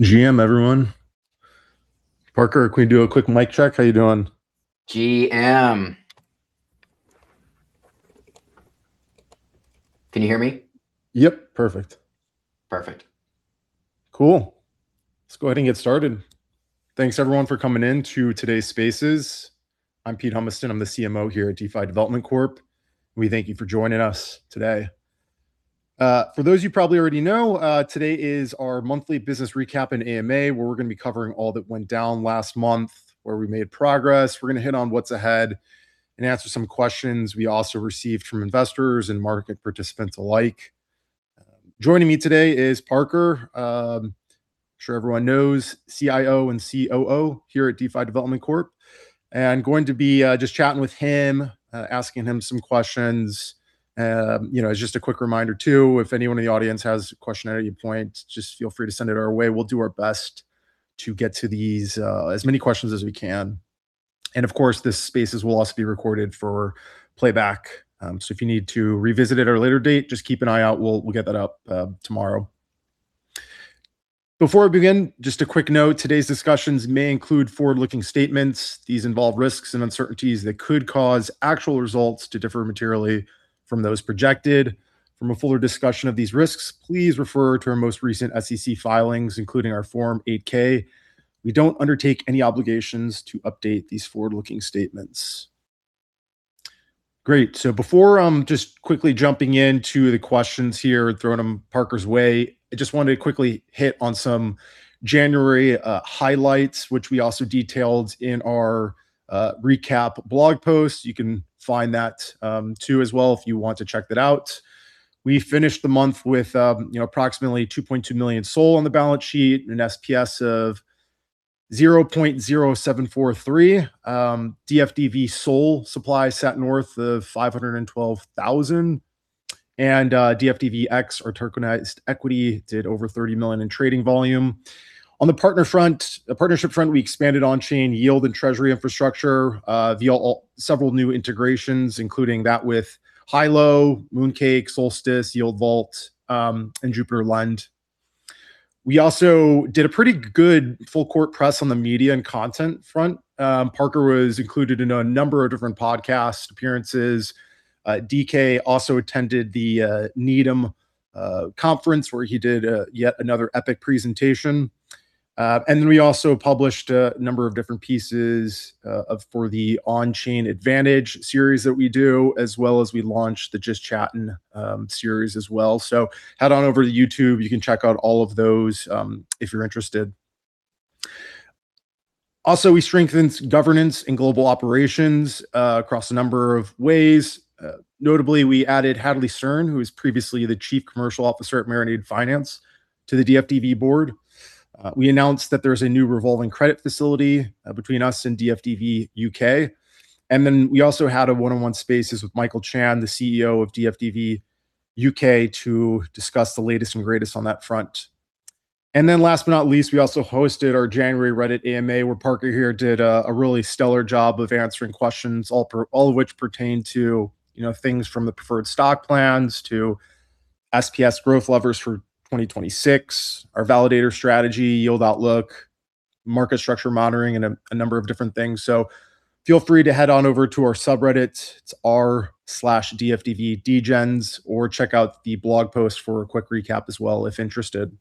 All right. GM, everyone. Parker, can we do a quick mic check? How you doing? GM. Can you hear me? Yep, perfect. Perfect. Cool. Let's go ahead and get started. Thanks, everyone, for coming in to today's Spaces. I'm Pete Humiston. I'm the CMO here at DeFi Development Corp. We thank you for joining us today. For those who probably already know, today is our monthly business recap and AMA, where we're gonna be covering all that went down last month, where we made progress. We're gonna hit on what's ahead and answer some questions we also received from investors and market participants alike. Joining me today is Parker. I'm sure everyone knows CIO and COO here at DeFi Development Corp. And going to be, just chatting with him, asking him some questions. You know, as just a quick reminder, too, if anyone in the audience has a question at any point, just feel free to send it our way. We'll do our best to get to these, as many questions as we can. And of course, this Spaces will also be recorded for playback. So if you need to revisit it at a later date, just keep an eye out. We'll get that out, tomorrow. Before we begin, just a quick note: today's discussions may include forward-looking statements. These involve risks and uncertainties that could cause actual results to differ materially from those projected. For a fuller discussion of these risks, please refer to our most recent SEC filings, including our Form 8-K. We don't undertake any obligations to update these forward-looking statements. Great! So before just quickly jumping into the questions here and throwing them Parker's way, I just wanted to quickly hit on some January highlights, which we also detailed in our recap blog post. You can find that, too, as well, if you want to check that out. We finished the month with, you know, approximately 2.2 million SOL on the balance sheet and an SPS of 0.0743. DFDV SOL supply sat north of 512,000, and, DFDVX, or tokenized equity, did over $30 million in trading volume. On the partner front, the partnership front, we expanded on-chain yield and treasury infrastructure, via several new integrations, including that with HILO, Mooncake, Solstice, Yield Vault, and Jupiter Lend. We also did a pretty good full-court press on the media and content front. Parker was included in a number of different podcast appearances. DK also attended the, Needham, conference, where he did, yet another epic presentation. And then we also published a number of different pieces for the On-Chain Advantage series that we do, as well as we launched the Just Chattin' series as well. So head on over to YouTube. You can check out all of those if you're interested. Also, we strengthened governance and global operations across a number of ways. Notably, we added Hadley Stern, who was previously the Chief Commercial Officer at Marinade Finance, to the DFDV board. We announced that there's a new revolving credit facility between us and DFDV UK. And then we also had a one-on-one Spaces with Michael Chan, the CEO of DFDV UK, to discuss the latest and greatest on that front. And then last but not least, we also hosted our January Reddit AMA, where Parker here did a really stellar job of answering questions, all of which pertained to, you know, things from the preferred stock plans to SPS growth levers for 2026, our validator strategy, yield outlook, market structure monitoring, and a number of different things. So feel free to head on over to our subreddit. It's r/dfdvdegens, or check out the blog post for a quick recap as well, if interested.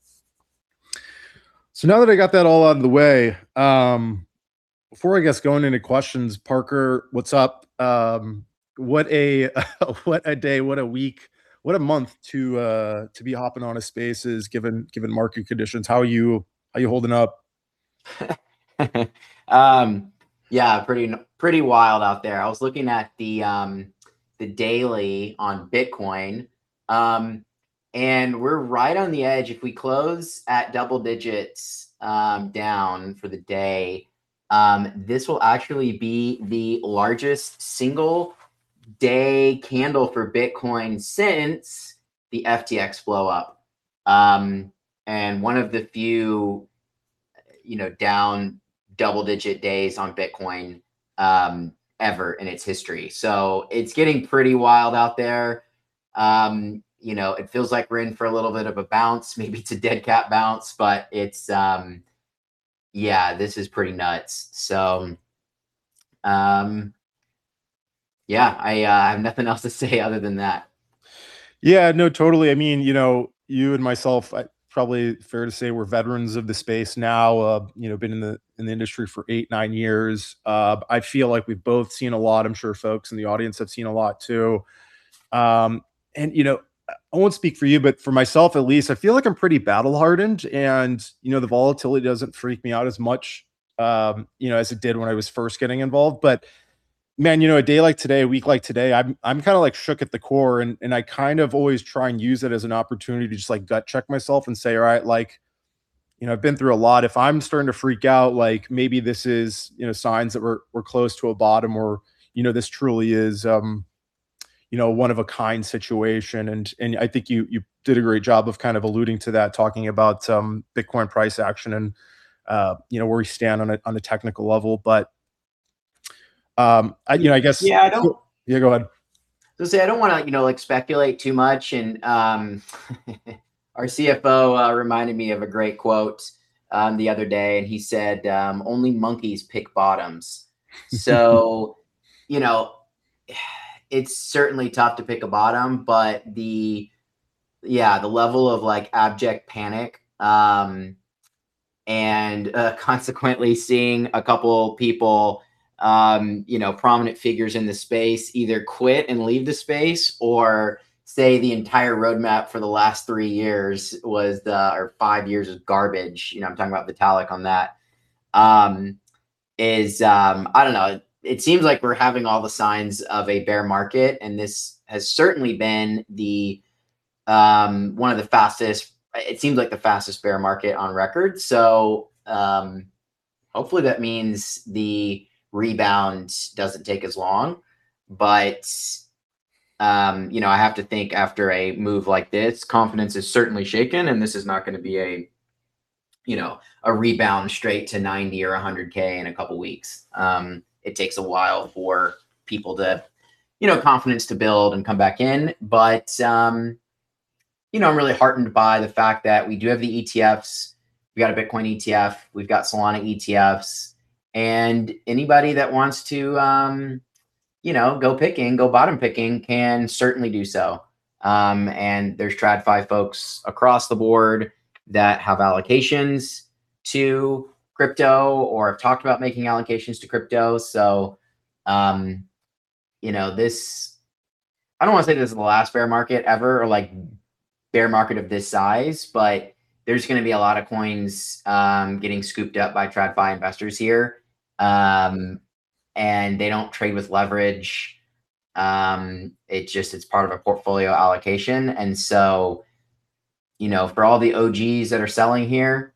So now that I got that all out of the way, before, I guess, going into questions, Parker, what's up? What a day, what a week, what a month to be hopping on a Spaces, given market conditions. How are you? How are you holding up? Yeah, pretty wild out there. I was looking at the daily on Bitcoin, and we're right on the edge. If we close at double digits down for the day, this will actually be the largest single-day candle for Bitcoin since the FTX blowup, and one of the few, you know, down double-digit days on Bitcoin ever in its history. So it's getting pretty wild out there. You know, it feels like we're in for a little bit of a bounce, maybe it's a dead cat bounce, but it's yeah, this is pretty nuts. So, yeah, I have nothing else to say other than that. Yeah, no, totally. I mean, you know, you and myself, probably fair to say we're veterans of the space now. You know, been in the industry for 8, 9 years. I feel like we've both seen a lot. I'm sure folks in the audience have seen a lot, too. And, you know, I won't speak for you, but for myself at least, I feel like I'm pretty battle-hardened, and, you know, the volatility doesn't freak me out as much, you know, as it did when I was first getting involved. But, man, you know, a day like today, a week like today, I'm kind of, like, shook at the core, and I kind of always try and use it as an opportunity to just, like, gut-check myself and say, "All right, like, you know, I've been through a lot. If I'm starting to freak out, like, maybe this is, you know, signs that we're close to a bottom," or, you know, "This truly is, you know, a one-of-a-kind situation." And I think you did a great job of kind of alluding to that, talking about Bitcoin price action and, you know, where we stand on the technical level. But I, you know, I guess- Yeah, I don't- Yeah, go ahead. I was gonna say, I don't wanna, you know, like, speculate too much, and our CFO reminded me of a great quote the other day, and he said, "Only monkeys pick bottoms." So, you know, it's certainly tough to pick a bottom, but yeah, the level of, like, abject panic, and consequently seeing a couple people, you know, prominent figures in the space either quit and leave the space or say the entire roadmap for the last three years was the or five years, was garbage, you know, I'm talking about Vitalik on that, is. I don't know. It seems like we're having all the signs of a bear market, and this has certainly been the one of the fastest, it seems like the fastest bear market on record. So, hopefully that means the rebound doesn't take as long. But, you know, I have to think after a move like this, confidence is certainly shaken, and this is not gonna be a, you know, a rebound straight to $90,000 or $100,000 in a couple weeks. It takes a while for people to, you know, confidence to build and come back in. But, you know, I'm really heartened by the fact that we do have the ETFs. We've got a Bitcoin ETF. We've got Solana ETFs. And anybody that wants to, you know, go picking, go bottom picking, can certainly do so. And there's TradFi folks across the board that have allocations to crypto or have talked about making allocations to crypto. So, you know, I don't wanna say this is the last bear market ever or, like, bear market of this size, but there's gonna be a lot of coins getting scooped up by TradFi investors here. And they don't trade with leverage. It just, it's part of a portfolio allocation. And so, you know, for all the OGs that are selling here,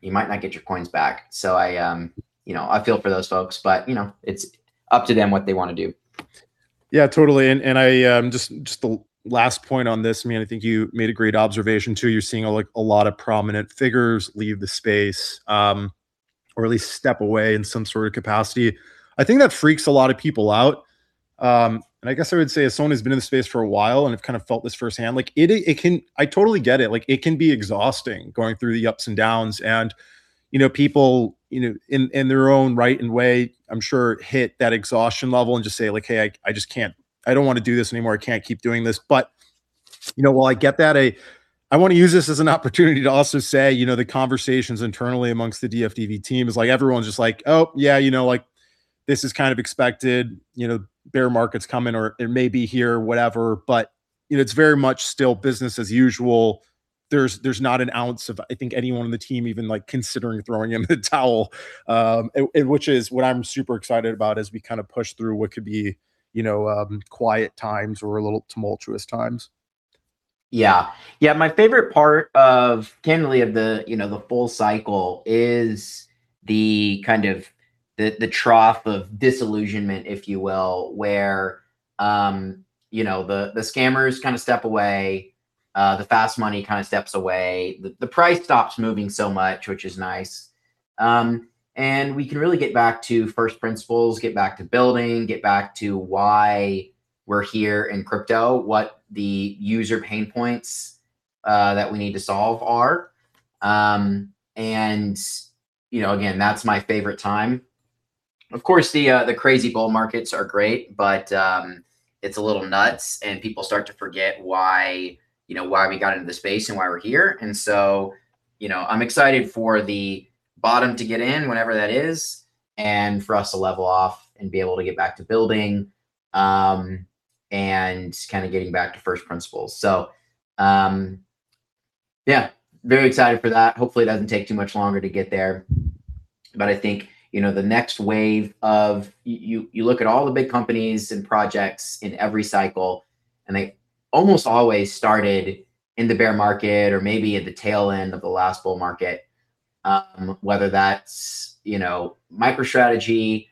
you might not get your coins back. So I, you know, I feel for those folks, but, you know, it's up to them what they wanna do. Yeah, totally. And I just the last point on this, I mean, I think you made a great observation, too. You're seeing, like, a lot of prominent figures leave the space, or at least step away in some sort of capacity. I think that freaks a lot of people out. And I guess I would say, as someone who's been in the space for a while and have kind of felt this firsthand, like, it can, I totally get it. Like, it can be exhausting going through the ups and downs. And, you know, people, you know, in their own right and way, I'm sure, hit that exhaustion level and just say, like, "Hey, I just can't, I don't wanna do this anymore. I can't keep doing this." But, you know, while I get that, I wanna use this as an opportunity to also say, you know, the conversations internally amongst the DFDV team is, like, everyone's just like: "Oh, yeah, you know, like, this is kind of expected. You know, bear market's coming, or it may be here, whatever." But, you know, it's very much still business as usual. There's not an ounce of, I think, anyone on the team even, like, considering throwing in the towel. And which is what I'm super excited about, as we kind of push through what could be, you know, quiet times or a little tumultuous times. Yeah. Yeah, my favorite part of generally the full cycle is the kind of the trough of disillusionment, if you will, where you know the scammers kind of step away, the fast money kind of steps away, the price stops moving so much, which is nice. And we can really get back to first principles, get back to building, get back to why we're here in crypto, what the user pain points that we need to solve are. And you know, again, that's my favorite time. Of course, the crazy bull markets are great, but it's a little nuts, and people start to forget why you know, why we got into the space and why we're here. And so, you know, I'm excited for the bottom to get in, whenever that is, and for us to level off and be able to get back to building, and kind of getting back to first principles. So, yeah, very excited for that. Hopefully, it doesn't take too much longer to get there. But I think, you know, the next wave of you look at all the big companies and projects in every cycle, and they almost always started in the bear market or maybe at the tail end of the last bull market. Whether that's, you know, MicroStrategy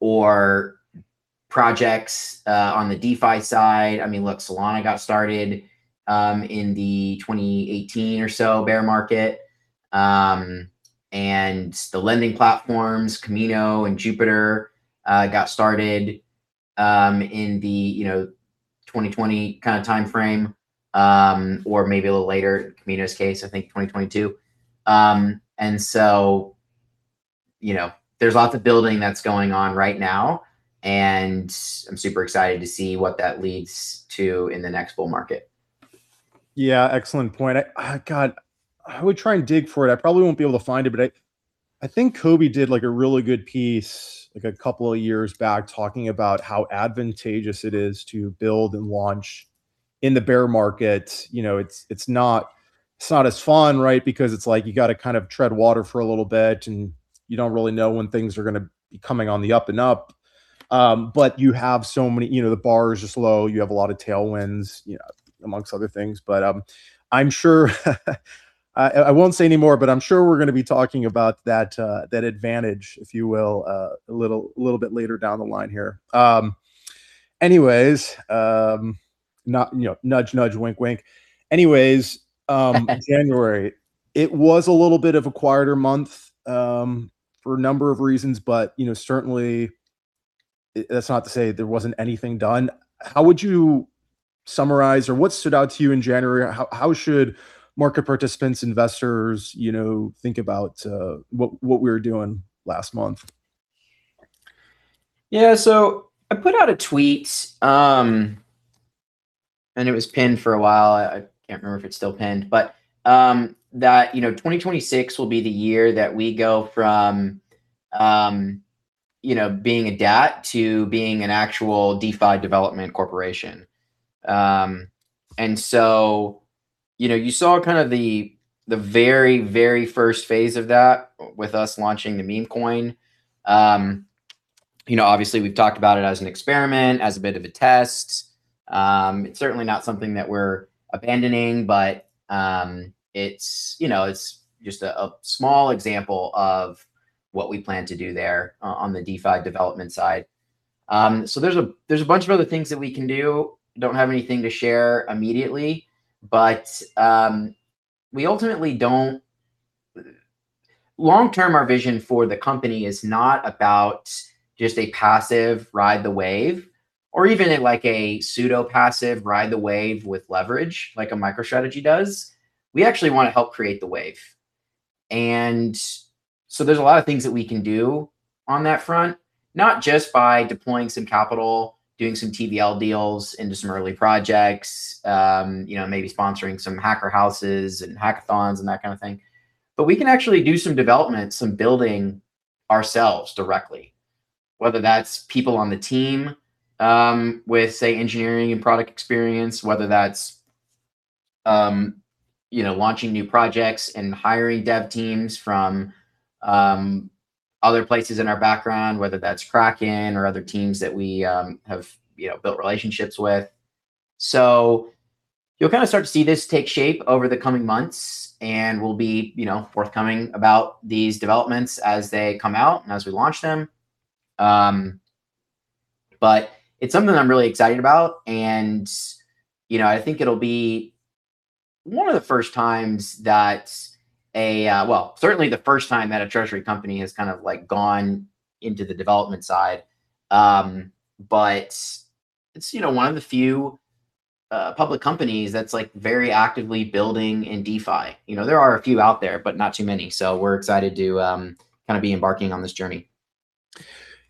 or projects on the DeFi side. I mean, look, Solana got started in the 2018 or so bear market. The lending platforms, Kamino and Jupiter, got started in the, you know, 2020 kind of timeframe, or maybe a little later, in Kamino's case, I think 2022. So, you know, there's lots of building that's going on right now, and I'm super excited to see what that leads to in the next bull market. Yeah, excellent point. Oh, God, I would try and dig for it. I probably won't be able to find it, but I, I think Kobe did, like, a really good piece, like, a couple of years back, talking about how advantageous it is to build and launch in the bear market. You know, it's, it's not, it's not as fun, right? Because it's like you gotta kind of tread water for a little bit, and you don't really know when things are gonna be coming on the up and up. But you have so many. You know, the bars are slow. You have a lot of tailwinds, you know, amongst other things. But, I'm sure I, I won't say anymore, but I'm sure we're gonna be talking about that, that advantage, if you will, a little, a little bit later down the line here. Anyways, not, you know, nudge, nudge, wink, wink. Anyways, January, it was a little bit of a quieter month for a number of reasons. But, you know, certainly, that's not to say there wasn't anything done. How would you summarize or what stood out to you in January? How should market participants, investors, you know, think about what we were doing last month? Yeah, so I put out a tweet, and it was pinned for a while. I can't remember if it's still pinned. But that, you know, 2026 will be the year that we go from, you know, being a DAT to being an actual DeFi Development Corporation. And so, you know, you saw kind of the very, very first phase of that, with us launching the meme coin. You know, obviously, we've talked about it as an experiment, as a bit of a test. It's certainly not something that we're abandoning, but, you know, it's just a small example of what we plan to do there on the DeFi development side. So there's a bunch of other things that we can do. Don't have anything to share immediately, but, we ultimately don't. Long term, our vision for the company is not about just a passive ride the wave, or even a, like, a pseudo-passive ride the wave with leverage, like a MicroStrategy does. We actually wanna help create the wave. And so there's a lot of things that we can do on that front, not just by deploying some capital, doing some TVL deals into some early projects, you know, maybe sponsoring some hacker houses, and hackathons, and that kind of thing. But we can actually do some development, some building ourselves directly, whether that's people on the team, with, say, engineering and product experience, whether that's, you know, launching new projects and hiring dev teams from, other places in our background, whether that's Kraken or other teams that we, have, you know, built relationships with. So you'll kinda start to see this take shape over the coming months, and we'll be, you know, forthcoming about these developments as they come out, and as we launch them. But it's something I'm really excited about, and, you know, I think it'll be one of the first times that a well, certainly the first time that a treasury company has kind of, like, gone into the development side. But it's, you know, one of the few public companies that's, like, very actively building in DeFi. You know, there are a few out there, but not too many, so we're excited to kinda be embarking on this journey.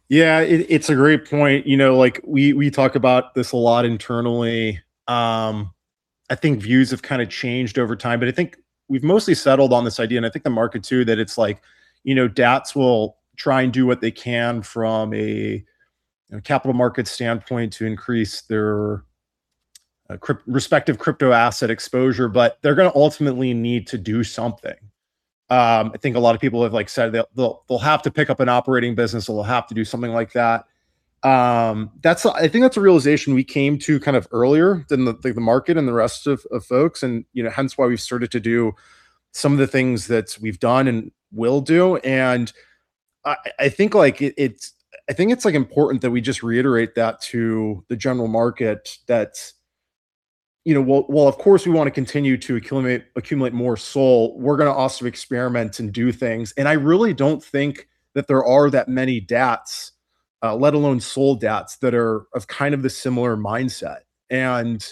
Yeah, it's a great point. You know, like, we talk about this a lot internally. I think views have kinda changed over time, but I think we've mostly settled on this idea, and I think the market, too, that it's like, you know, DATs will try and do what they can from a capital market standpoint to increase their respective crypto asset exposure, but they're gonna ultimately need to do something. I think a lot of people have, like, said, they'll have to pick up an operating business, or they'll have to do something like that. That's a realization we came to kind of earlier than the market and the rest of folks, and, you know, hence why we've started to do some of the things that we've done and will do. I think it's, like, important that we just reiterate that to the general market, that, you know, while, of course, we wanna continue to accumulate more SOL, we're gonna also experiment and do things. And I really don't think that there are that many DATs, let alone SOL DATs, that are of kind of the similar mindset. And,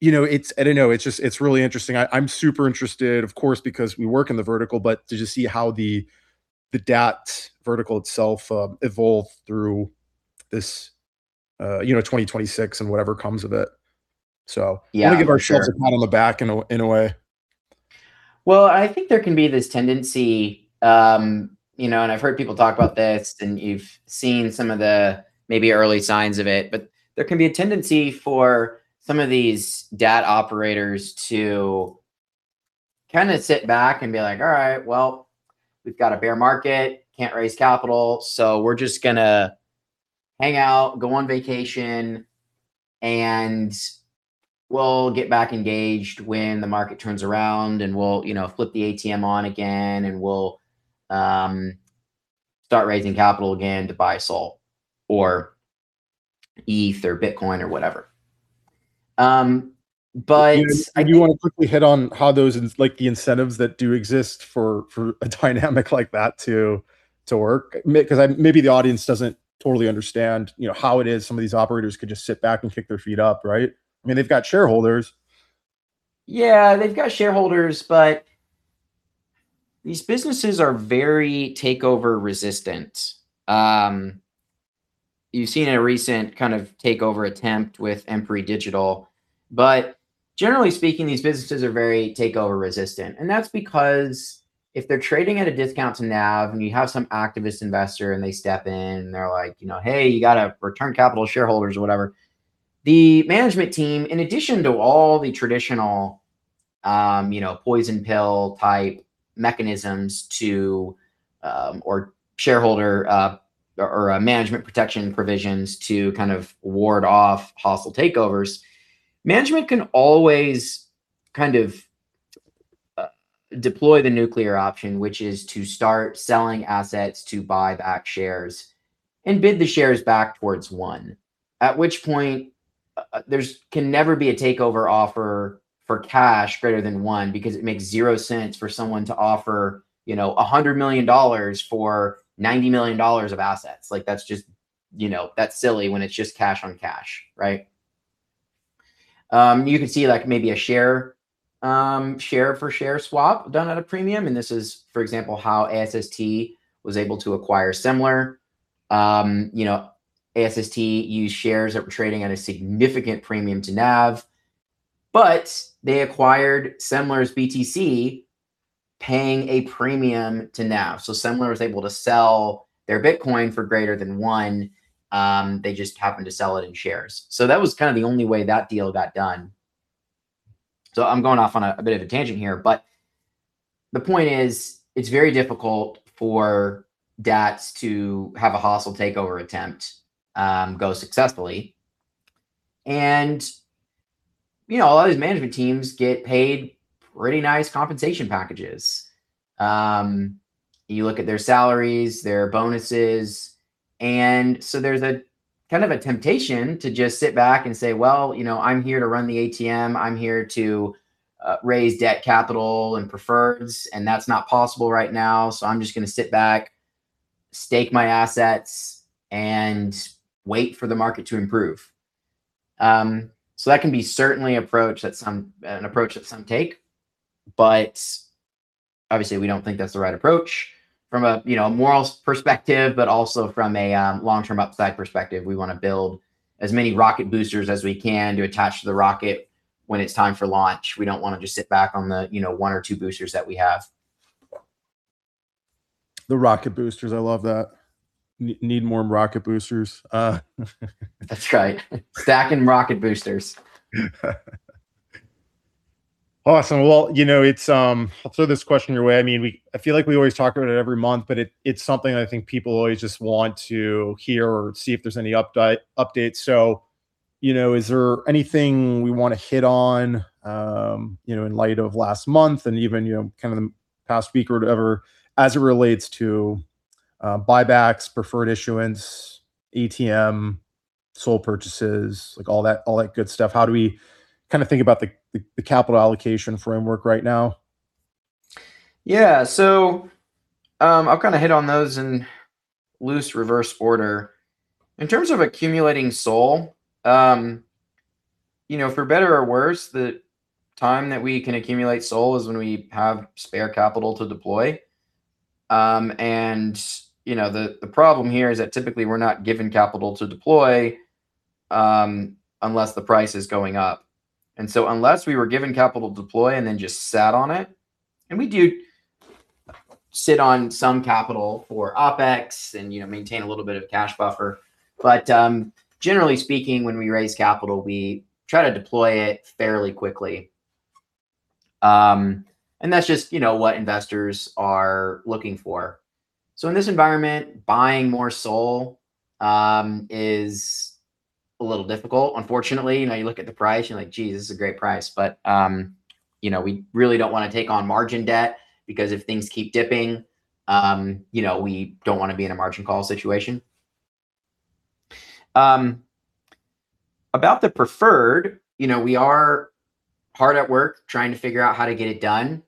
you know, it's, I don't know. It's just, it's really interesting. I'm super interested, of course, because we work in the vertical, but to just see how the DAT vertical itself evolve through this, you know, 2026, and whatever comes of it. So- Yeah, for sure. Wanna give our shareholders a pat on the back in a way. Well, I think there can be this tendency, you know, and I've heard people talk about this, and you've seen some of the maybe early signs of it. But there can be a tendency for some of these DAT operators to kinda sit back and be like: "All right. Well, we've got a bear market, can't raise capital, so we're just gonna hang out, go on vacation, and we'll get back engaged when the market turns around, and we'll, you know, flip the ATM on again, and we'll start raising capital again to buy SOL, or ETH, or Bitcoin, or whatever." But I- Do you wanna quickly hit on how those like, the incentives that do exist for a dynamic like that to work? 'Cause maybe the audience doesn't totally understand, you know, how it is some of these operators could just sit back and kick their feet up, right? I mean, they've got shareholders. Yeah, they've got shareholders, but these businesses are very takeover-resistant. You've seen a recent kind of takeover attempt with Empiri Digital, but generally speaking, these businesses are very takeover-resistant. And that's because if they're trading at a discount to NAV, and you have some activist investor, and they step in, and they're like, you know, "Hey, you gotta return capital to shareholders," or whatever, the management team, in addition to all the traditional, you know, poison pill-type mechanisms to or shareholder or management protection provisions to kind of ward off hostile takeovers, management can always kind of deploy the nuclear option, which is to start selling assets to buy back shares and bid the shares back towards one. At which point, there can never be a takeover offer for cash greater than one, because it makes zero sense for someone to offer, you know, $100 million for $90 million of assets. Like, that's just you know, that's silly when it's just cash on cash, right? You could see, like, maybe a share-for-share swap done at a premium, and this is, for example, how ASST was able to acquire Semler. You know, ASST used shares that were trading at a significant premium to NAV, but they acquired Semler's BTC, paying a premium to NAV. So Semler was able to sell their Bitcoin for greater than one, they just happened to sell it in shares. So that was kinda the only way that deal got done. So I'm going off on a bit of a tangent here, but the point is, it's very difficult for DATs to have a hostile takeover attempt go successfully. And, you know, a lot of these management teams get paid pretty nice compensation packages. You look at their salaries, their bonuses, and so there's a kind of a temptation to just sit back and say, "Well, you know, I'm here to run the ATM. I'm here to raise debt capital and preferreds, and that's not possible right now, so I'm just gonna sit back, stake my assets, and wait for the market to improve." So that can be certainly an approach that some take, but obviously, we don't think that's the right approach from a, you know, a morals perspective, but also from a long-term upside perspective. We wanna build as many rocket boosters as we can to attach to the rocket when it's time for launch. We don't wanna just sit back on the, you know, one or two boosters that we have. The rocket boosters, I love that. Need more rocket boosters. That's right. Stacking rocket boosters. Awesome. Well, you know, it's. I'll throw this question your way. I mean, I feel like we always talk about it every month, but it's something I think people always just want to hear or see if there's any update. So, you know, is there anything we wanna hit on, you know, in light of last month and even, you know, kind of the past week or whatever, as it relates to, buybacks, preferred issuance, ATM, SOL purchases, like all that, all that good stuff? How do we kinda think about the capital allocation framework right now? Yeah, so, I'll kinda hit on those in loose reverse order. In terms of accumulating SOL, you know, for better or worse, the time that we can accumulate SOL is when we have spare capital to deploy. And, you know, the problem here is that typically we're not given capital to deploy, unless the price is going up. And so unless we were given capital to deploy and then just sat on it and we do sit on some capital for OpEx and, you know, maintain a little bit of cash buffer. But, generally speaking, when we raise capital, we try to deploy it fairly quickly. And that's just, you know, what investors are looking for. So in this environment, buying more SOL, is a little difficult, unfortunately. You know, you look at the price, and you're like, "Geez, this is a great price." But, you know, we really don't wanna take on margin debt, because if things keep dipping, you know, we don't wanna be in a margin call situation. About the preferred, you know, we are hard at work, trying to figure out how to get it done.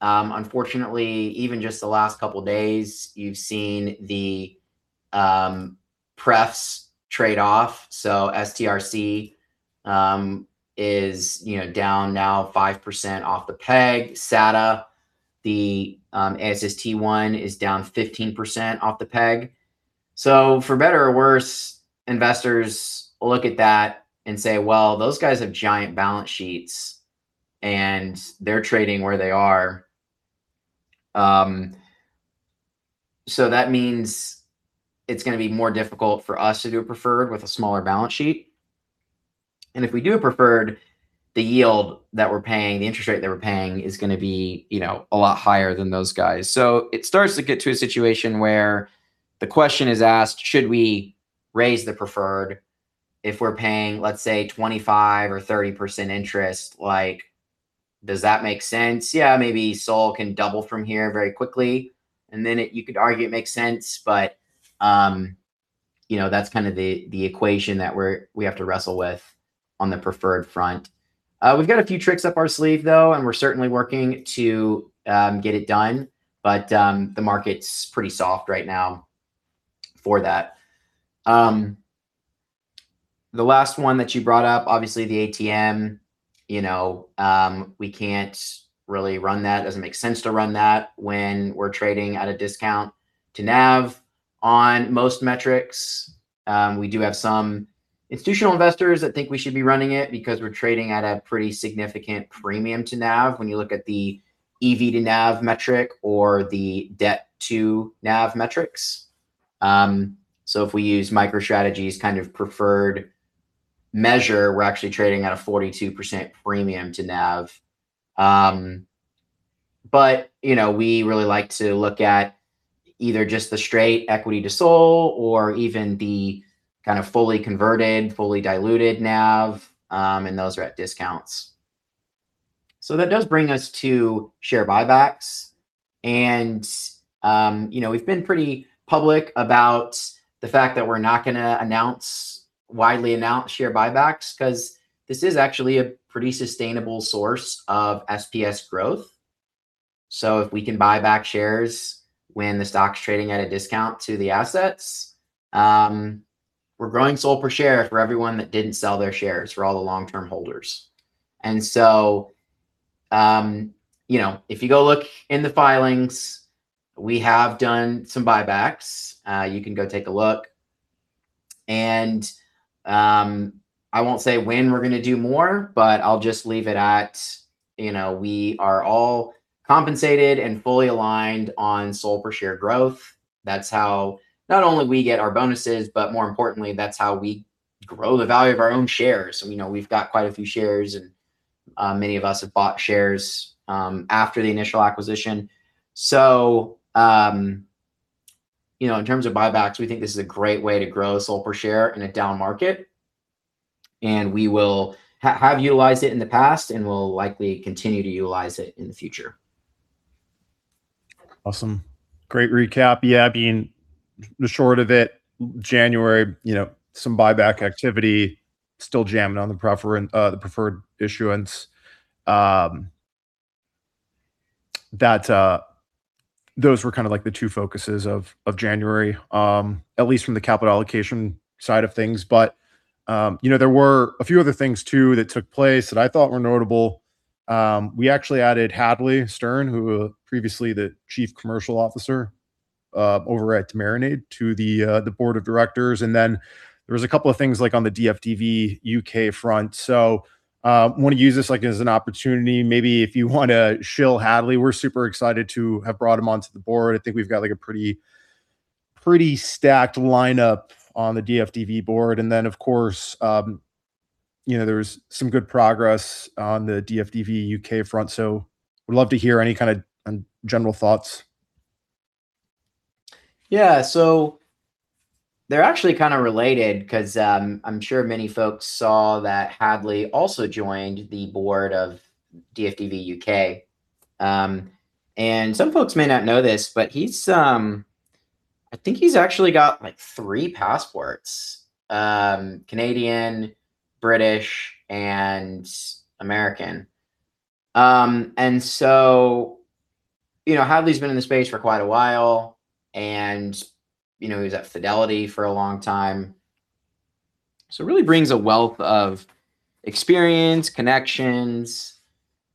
Unfortunately, even just the last couple of days, you've seen the, prefs trade-off. So STRC is, you know, down now 5% off the peg. SATA, the, ASST one, is down 15% off the peg. So for better or worse, investors look at that and say, "Well, those guys have giant balance sheets, and they're trading where they are." So that means it's gonna be more difficult for us to do a preferred with a smaller balance sheet. If we do a preferred, the yield that we're paying, the interest rate that we're paying, is gonna be, you know, a lot higher than those guys. So it starts to get to a situation where the question is asked: Should we raise the preferred if we're paying, let's say, 25% or 30% interest? Like, does that make sense? Yeah, maybe SOL can double from here very quickly, and then you could argue it makes sense. But, you know, that's kinda the equation that we have to wrestle with on the preferred front. We've got a few tricks up our sleeve, though, and we're certainly working to get it done, but the market's pretty soft right now for that. The last one that you brought up, obviously, the ATM, you know, we can't really run that. Doesn't make sense to run that when we're trading at a discount to NAV on most metrics. We do have some institutional investors that think we should be running it, because we're trading at a pretty significant premium to NAV, when you look at the EV to NAV metric or the debt-to-NAV metrics. So if we use MicroStrategy's kind of preferred measure, we're actually trading at a 42% premium to NAV. But, you know, we really like to look at either just the straight equity to SOL, or even the kind of fully converted, fully diluted NAV, and those are at discounts. So that does bring us to share buybacks, and, you know, we've been pretty public about the fact that we're not gonna widely announce share buybacks, 'cause this is actually a pretty sustainable source of SPS growth. So if we can buy back shares when the stock's trading at a discount to the assets, we're growing SOL per share for everyone that didn't sell their shares, for all the long-term holders. And so, you know, if you go look in the filings, we have done some buybacks. You can go take a look, and, I won't say when we're gonna do more, but I'll just leave it at, you know, we are all compensated and fully aligned on SOL per share growth. That's how, not only we get our bonuses, but more importantly, that's how we grow the value of our own shares. You know, we've got quite a few shares, and, many of us have bought shares, after the initial acquisition. You know, in terms of buybacks, we think this is a great way to grow SOL per share in a down market, and we will have utilized it in the past, and we'll likely continue to utilize it in the future. Awesome. Great recap. Yeah, being the short of it, January, you know, some buyback activity, still jamming on the preferred issuance. That those were kinda like the two focuses of January, at least from the capital allocation side of things. But, you know, there were a few other things, too, that took place, that I thought were notable. We actually added Hadley Stern, who was previously the chief commercial officer over at Marinade, to the board of directors, and then there was a couple of things, like, on the DFDV UK front. So, wanna use this, like, as an opportunity, maybe if you wanna shill Hadley, we're super excited to have brought him onto the board. I think we've got, like, a pretty, pretty stacked lineup on the DFDV board. Then, of course, you know, there was some good progress on the DFDV UK front, so would love to hear any kinda general thoughts. Yeah, so they're actually kinda related, 'cause, I'm sure many folks saw that Hadley also joined the board of DFDV UK. And some folks may not know this, but he's, I think he's actually got, like, three passports, Canadian, British, and American. And so, you know, Hadley's been in the space for quite a while, and, you know, he was at Fidelity for a long time, so really brings a wealth of experience, connections,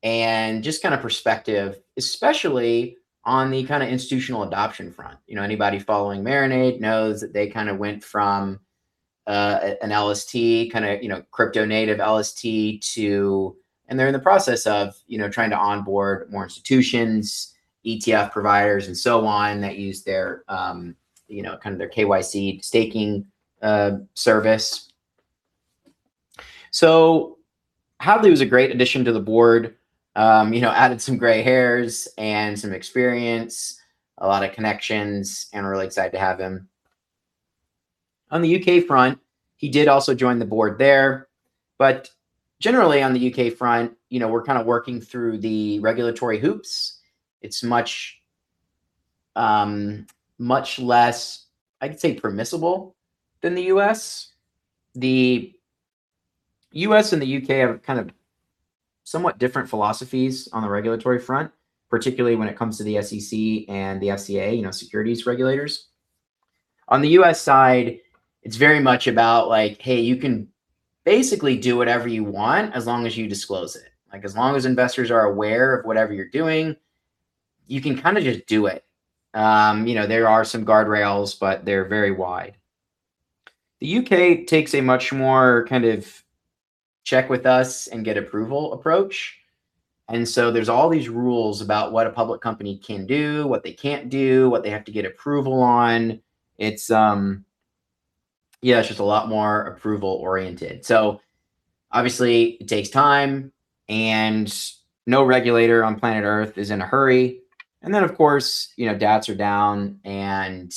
and just kinda perspective, especially on the kinda institutional adoption front. You know, anybody following Marinade knows that they kinda went from, an LST, kinda, you know, crypto-native LST to. And they're in the process of, you know, trying to onboard more institutions, ETF providers, and so on, that use their, you know, kind of their KYC staking, service. So Hadley was a great addition to the board. You know, added some gray hairs and some experience, a lot of connections, and we're really excited to have him. On the U.K. front, he did also join the board there, but generally, on the U.K. front, you know, we're kinda working through the regulatory hoops. It's much, much less, I'd say, permissible than the U.S. The U.S. and the U.K. have kind of somewhat different philosophies on the regulatory front, particularly when it comes to the SEC and the FCA, you know, securities regulators. On the U.S. side, it's very much about, like, hey, you can basically do whatever you want, as long as you disclose it. Like, as long as investors are aware of whatever you're doing, you can kinda just do it. You know, there are some guardrails, but they're very wide. The U.K. takes a much more, kind of, check with us and get approval approach, and so there's all these rules about what a public company can do, what they can't do, what they have to get approval on. It's, yeah, it's just a lot more approval-oriented. So obviously, it takes time, and no regulator on planet Earth is in a hurry. And then, of course, you know, DATS are down, and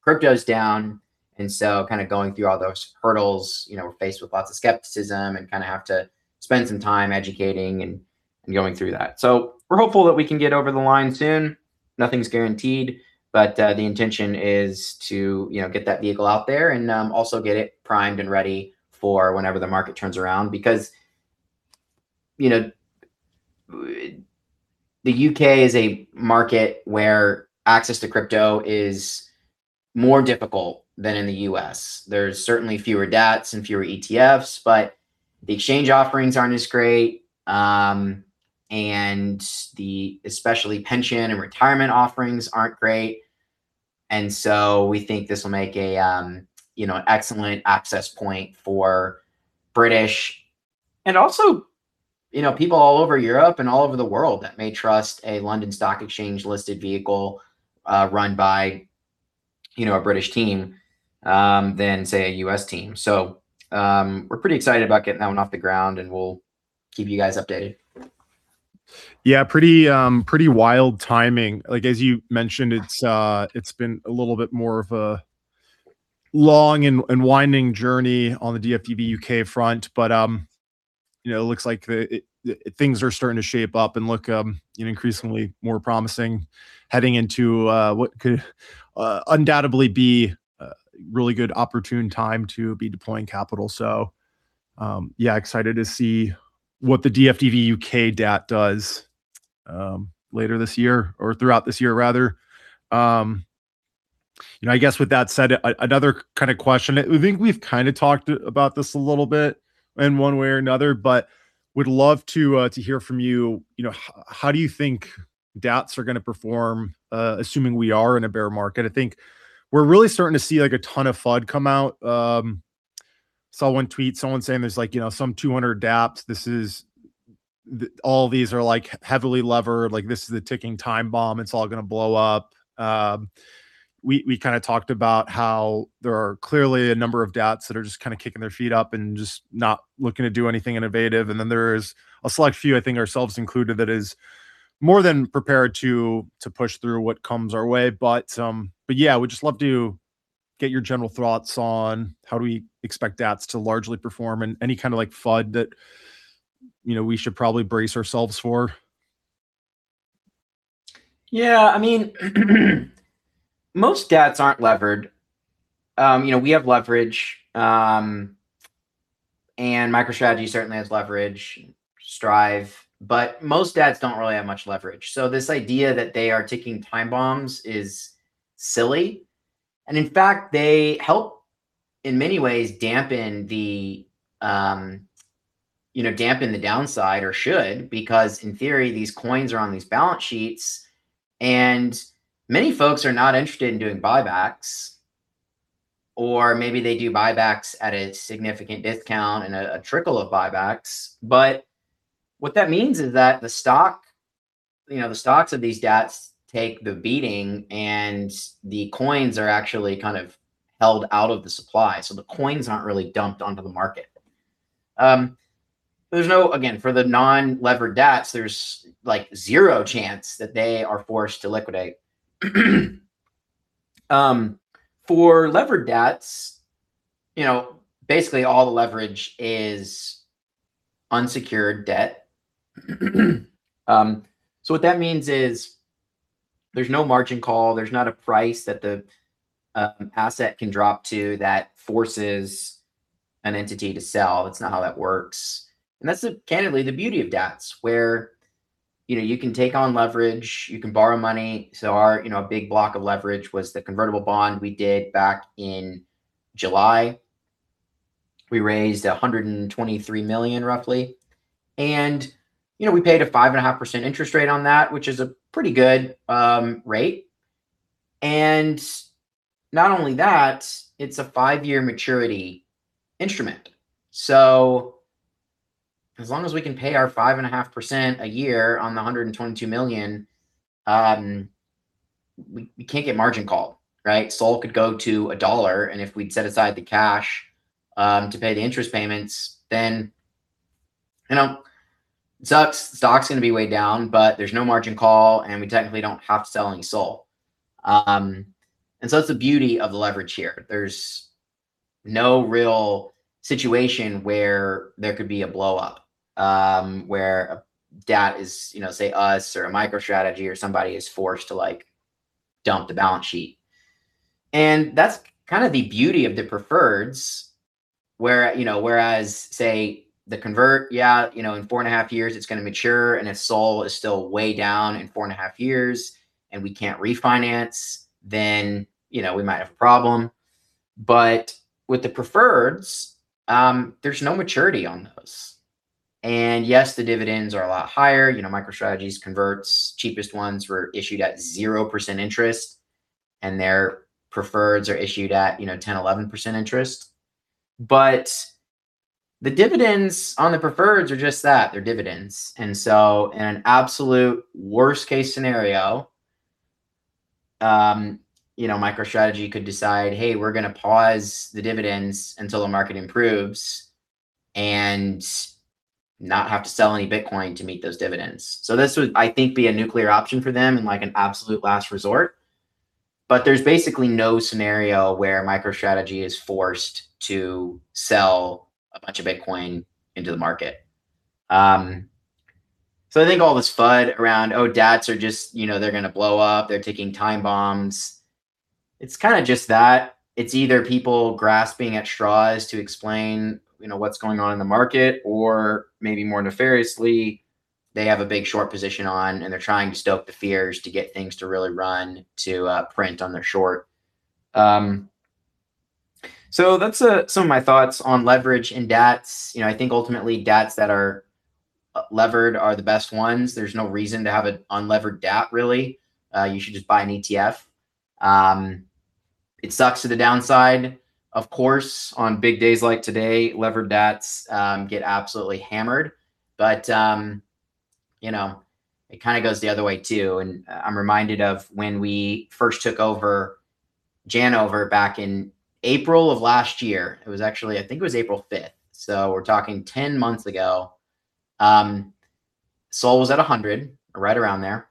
crypto's down, and so kinda going through all those hurdles, you know, we're faced with lots of skepticism and kinda have to spend some time educating and going through that. So we're hopeful that we can get over the line soon. Nothing's guaranteed, but the intention is to, you know, get that vehicle out there and also get it primed and ready for whenever the market turns around. Because, you know, the U.K. is a market where access to crypto is more difficult than in the U.S. There's certainly fewer DATS and fewer ETFs, but the exchange offerings aren't as great, and the especially pension and retirement offerings aren't great. And so we think this will make a, you know, excellent access point for British, and also, you know, people all over Europe and all over the world that may trust a London Stock Exchange-listed vehicle, run by, you know, a British team, than, say, a U.S. team. So, we're pretty excited about getting that one off the ground, and we'll keep you guys updated. Yeah, pretty, pretty wild timing. Like, as you mentioned, it's, it's been a little bit more of a long and, and winding journey on the DFDV UK front. But, you know, it looks like the things are starting to shape up and look, you know, increasingly more promising, heading into, what could, undoubtedly be a really good opportune time to be deploying capital. So, yeah, excited to see what the DFDV UK DAT does, later this year, or throughout this year, rather. You know, I guess with that said, another kinda question. I think we've kinda talked about this a little bit in one way or another, but would love to, to hear from you. You know, how do you think DATS are gonna perform, assuming we are in a bear market? I think we're really starting to see, like, a ton of FUD come out. Saw one tweet, someone saying there's, like, you know, some 200 DAPS. This is all these are, like, heavily levered. Like, this is a ticking time bomb. It's all gonna blow up. We kinda talked about how there are clearly a number of DATS that are just kinda kicking their feet up and just not looking to do anything innovative. And then there's a select few, I think ourselves included, that is more than prepared to push through what comes our way. But, but yeah, would just love to get your general thoughts on how do we expect DATS to largely perform, and any kinda like FUD that, you know, we should probably brace ourselves for? Yeah, I mean, most DATS aren't levered. You know, we have leverage, and MicroStrategy certainly has leverage, Strive, but most DATS don't really have much leverage. So this idea that they are ticking time bombs is silly, and in fact, they help, in many ways, dampen the downside, or should, because in theory, these coins are on these balance sheets. And many folks are not interested in doing buybacks, or maybe they do buybacks at a significant discount and a trickle of buybacks. But what that means is that the stock, you know, the stocks of these DATS take the beating, and the coins are actually kind of held out of the supply. So the coins aren't really dumped onto the market. Again, for the non-levered DATS, there's, like, zero chance that they are forced to liquidate. For levered DATS, you know, basically all the leverage is unsecured debt. So what that means is, there's no margin call. There's not a price that the asset can drop to, that forces an entity to sell. That's not how that works. And that's, candidly, the beauty of DATS, where, you know, you can take on leverage, you can borrow money. So our, you know, big block of leverage was the convertible bond we did back in July. We raised $123 million, roughly, and, you know, we paid a 5.5% interest rate on that, which is a pretty good rate. And not only that, it's a five-year maturity instrument. So as long as we can pay our 5.5% a year on the $122 million, we can't get margin called, right? SOL could go to $1, and if we'd set aside the cash to pay the interest payments, then, you know, the stock, the stock's gonna be way down, but there's no margin call, and we technically don't have to sell any SOL. And so that's the beauty of the leverage here. There's no real situation where there could be a blow-up, where a DAT is, you know, say, us or a MicroStrategy or somebody is forced to, like, dump the balance sheet. And that's kinda the beauty of the preferreds, where, you know, whereas, say, the convert, yeah, you know, in four and a half years, it's gonna mature, and if SOL is still way down in four and a half years and we can't refinance, then, you know, we might have a problem. But with the preferreds, there's no maturity on those. And yes, the dividends are a lot higher. You know, MicroStrategy's converts, cheapest ones were issued at 0% interest, and their preferreds are issued at, you know, 10%-11% interest. But the dividends on the preferreds are just that. They're dividends. And so in an absolute worst-case scenario, you know, MicroStrategy could decide, "Hey, we're gonna pause the dividends until the market improves," and not have to sell any Bitcoin to meet those dividends. So this would, I think, be a nuclear option for them and, like, an absolute last resort. But there's basically no scenario where MicroStrategy is forced to sell a bunch of Bitcoin into the market. So I think all this FUD around, "Oh, DATS are just, you know, they're gonna blow up. They're ticking time bombs," it's kinda just that. It's either people grasping at straws to explain, you know, what's going on in the market, or maybe more nefariously, they have a big short position on, and they're trying to stoke the fears to get things to really run to, print on their short. So that's, some of my thoughts on leverage and DATS. You know, I think ultimately, DATS that are, levered are the best ones. There's no reason to have an unlevered DAT, really. You should just buy an ETF. It sucks to the downside. Of course, on big days like today, levered DATS, get absolutely hammered, but, you know, it kinda goes the other way, too. And, I'm reminded of when we first took over Janover back in April of last year. It was actually, I think it was April 5th, so we're talking 10 months ago. SOL was at $100, right around there,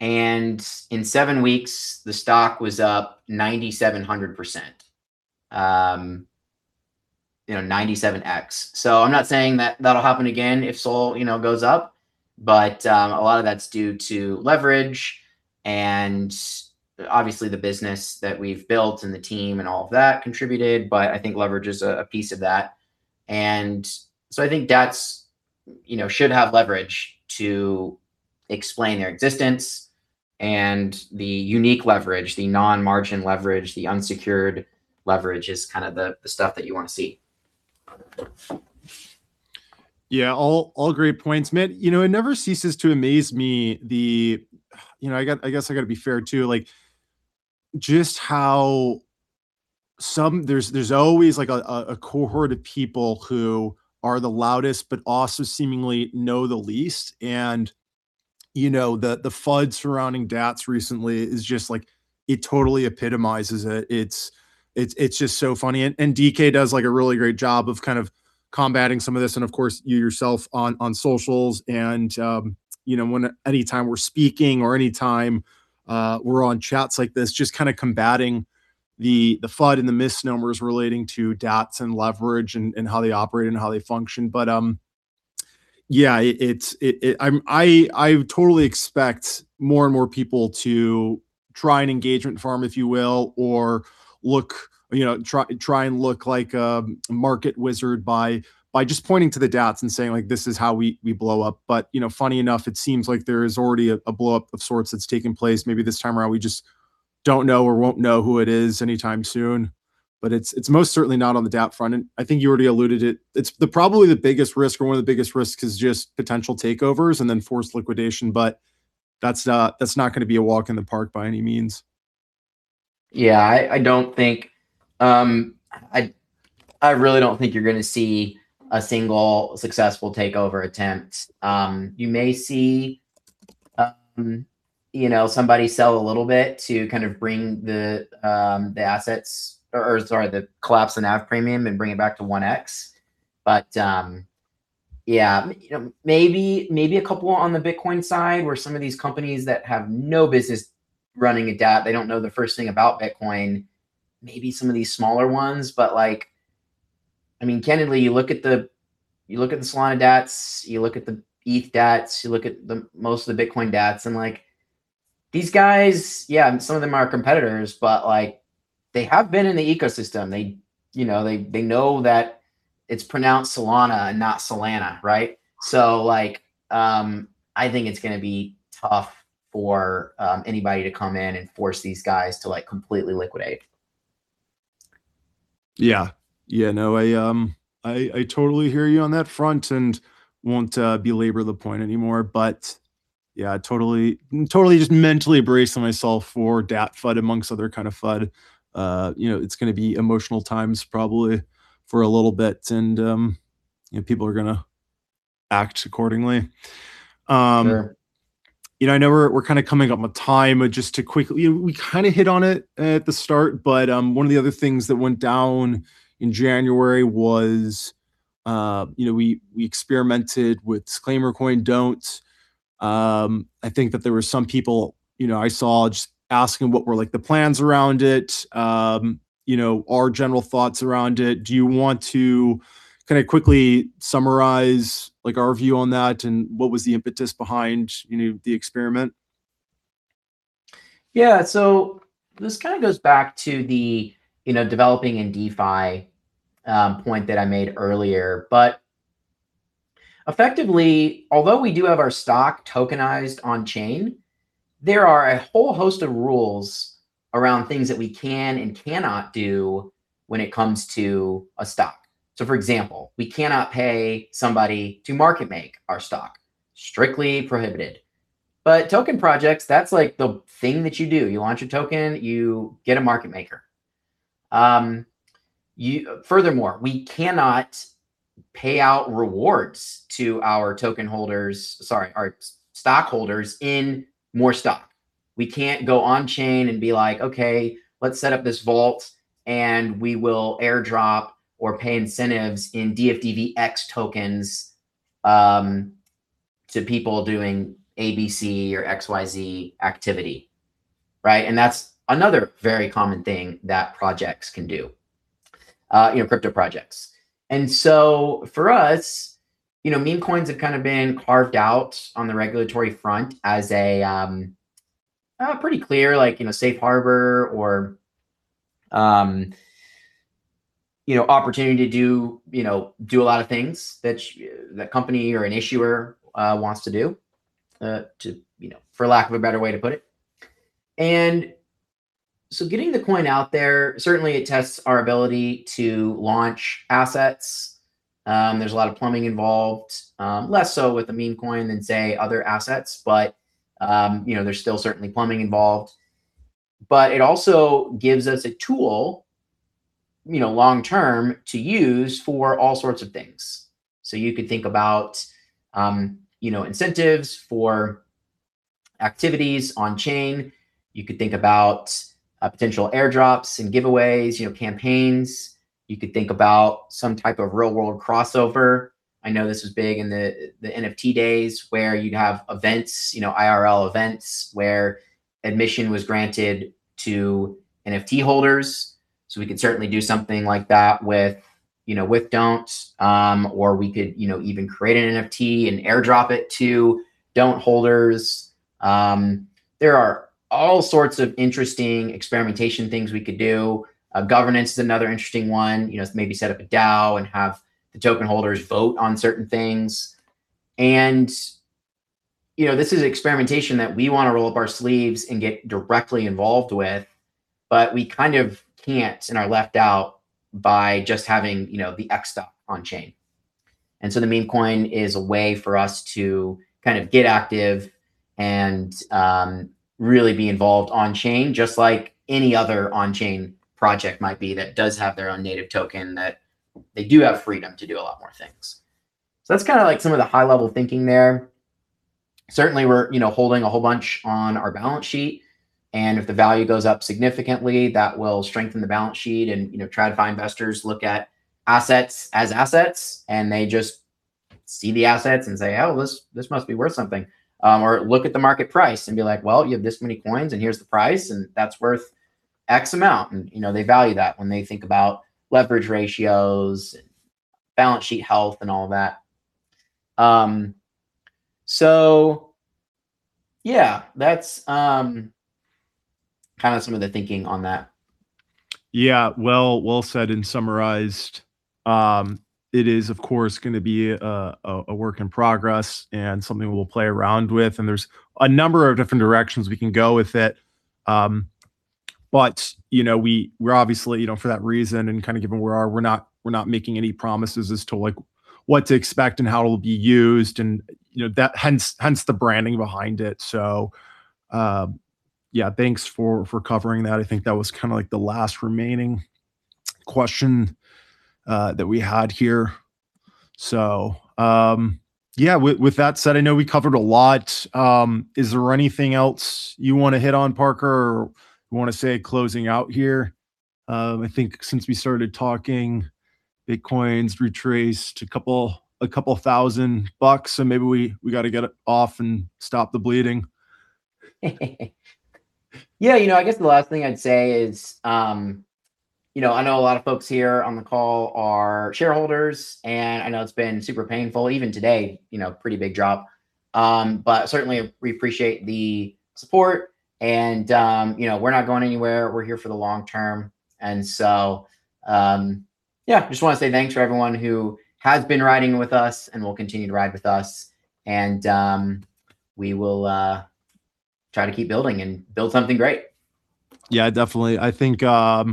and in 7 weeks, the stock was up 9,700%. You know, 97x. So I'm not saying that that'll happen again if SOL, you know, goes up, but a lot of that's due to leverage, and obviously, the business that we've built and the team and all of that contributed, but I think leverage is a piece of that. And so I think that's, you know, should have leverage to explain their existence, and the unique leverage, the non-margin leverage, the unsecured leverage, is kinda the stuff that you wanna see. Yeah, all great points. Man, you know, it never ceases to amaze me the—you know, I guess I gotta be fair, too, like, just how some there's always, like, a cohort of people who are the loudest but also seemingly know the least, and, you know, the FUD surrounding DATS recently is just like, it totally epitomizes it. It's just so funny, and DK does, like, a really great job of kind of combating some of this, and of course, you yourself on socials and, you know, when anytime we're speaking or anytime we're on chats like this, just kinda combating the FUD and the misnomers relating to DATS and leverage and how they operate and how they function. But, yeah, I totally expect more and more people to try and engagement farm, if you will, or look, you know, try and look like a market wizard by just pointing to the DATS and saying, like: "This is how we blow up." But, you know, funny enough, it seems like there is already a blow-up of sorts that's taking place. Maybe this time around, we just don't know or won't know who it is anytime soon, but it's most certainly not on the DAP front, and I think you already alluded to it. It's probably the biggest risk or one of the biggest risks is just potential takeovers and then forced liquidation, but that's not gonna be a walk in the park by any means. Yeah, I don't think. I really don't think you're gonna see a single successful takeover attempt. You may see, you know, somebody sell a little bit to kind of bring the, the assets or, sorry, the collapse in NAV premium and bring it back to 1x. But, yeah, you know, maybe a couple on the Bitcoin side, where some of these companies that have no business running a DAT, they don't know the first thing about Bitcoin, maybe some of the smaller ones. But, like, I mean, candidly, you look at the, you look at the Solana DATs, you look at the ETH DATs, you look at most of the Bitcoin DATs, and, like, these guys, yeah, and some of them are competitors, but, like, they have been in the ecosystem. They, you know, they, they know that it's pronounced Solana, not Solana, right? So, like, I think it's gonna be tough for anybody to come in and force these guys to, like, completely liquidate. Yeah. Yeah, no, I totally hear you on that front and won't belabor the point anymore. But yeah, totally, totally just mentally bracing myself for DAT FUD, among other kind of FUD. You know, it's gonna be emotional times, probably, for a little bit, and, you know, people are gonna act accordingly. Sure. You know, I know we're kinda coming up on time, but just to quickly. We kinda hit on it at the start, but one of the other things that went down in January was, you know, we experimented with DisclaimerCoin Don'ts. I think that there were some people, you know, I saw just asking what were, like, the plans around it, you know, our general thoughts around it. Do you want to kinda quickly summarize, like, our view on that, and what was the impetus behind, you know, the experiment? Yeah, so this kinda goes back to the, you know, developing and DeFi, point that I made earlier. But effectively, although we do have our stock tokenized on chain, there are a whole host of rules around things that we can and cannot do when it comes to a stock. So, for example, we cannot pay somebody to market make our stock. Strictly prohibited. But token projects, that's, like, the thing that you do. You launch a token, you get a market maker. Furthermore, we cannot pay out rewards to our token holders—sorry, our stockholders in more stock. We can't go on chain and be like: "Okay, let's set up this vault, and we will air drop or pay incentives in DFDVX tokens, to people doing ABC or XYZ activity," right? That's another very common thing that projects can do, you know, crypto projects. So for us, you know, meme coins have kinda been carved out on the regulatory front as a pretty clear, like, you know, safe harbor or, you know, opportunity to do, you know, do a lot of things that the company or an issuer wants to do, to, you know, for lack of a better way to put it. So getting the coin out there, certainly it tests our ability to launch assets. There's a lot of plumbing involved, less so with the meme coin than, say, other assets, but, you know, there's still certainly plumbing involved. But it also gives us a tool, you know, long-term to use for all sorts of things. So you could think about, you know, incentives for activities on-chain. You could think about, potential airdrops and giveaways, you know, campaigns. You could think about some type of real-world crossover. I know this was big in the NFT days, where you'd have events, you know, IRL events, where admission was granted to NFT holders. So we could certainly do something like that with, you know, with DONTS. Or we could, you know, even create an NFT and airdrop it to DONTS holders. There are all sorts of interesting experimentation things we could do. Governance is another interesting one. You know, maybe set up a DAO and have the token holders vote on certain things. You know, this is experimentation that we wanna roll up our sleeves and get directly involved with, but we kind of can't and are left out by just having, you know, the X stop on-chain. So the meme coin is a way for us to kind of get active and really be involved on-chain, just like any other on-chain project might be that does have their own native token, that they do have freedom to do a lot more things. So that's kinda like some of the high-level thinking there. Certainly we're, you know, holding a whole bunch on our balance sheet, and if the value goes up significantly, that will strengthen the balance sheet. And, you know, tradfi investors look at assets as assets, and they just see the assets and say, "Oh, this, this must be worth something." Or look at the market price and be like, "Well, you have this many coins, and here's the price, and that's worth X amount." And, you know, they value that when they think about leverage ratios, balance sheet health, and all that. So yeah, that's kind of some of the thinking on that. Yeah. Well said and summarized. It is, of course, gonna be a work in progress and something we'll play around with, and there's a number of different directions we can go with it. But you know, we're obviously, you know, for that reason and kind of given where we are, we're not making any promises as to, like, what to expect and how it'll be used and, you know, that hence the branding behind it. So, yeah, thanks for covering that. I think that was kind of, like, the last remaining question that we had here. So, yeah, with that said, I know we covered a lot. Is there anything else you wanna hit on, Parker, or you wanna say closing out here? I think since we started talking, Bitcoin's retraced $2,000, so maybe we gotta get it off and stop the bleeding. Yeah, you know, I guess the last thing I'd say is, you know, I know a lot of folks here on the call are shareholders, and I know it's been super painful, even today, you know, pretty big drop. But certainly we appreciate the support and, you know, we're not going anywhere. We're here for the long term. And so, yeah, just wanna say thanks for everyone who has been riding with us and will continue to ride with us, and we will try to keep building and build something great. Yeah, definitely. I think, I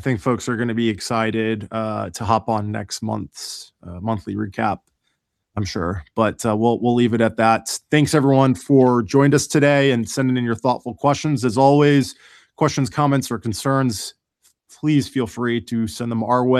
think folks are gonna be excited to hop on next month's monthly recap, I'm sure. But, we'll, we'll leave it at that. Thanks, everyone, for joining us today and sending in your thoughtful questions. As always, questions, comments, or concerns, please feel free to send them our way.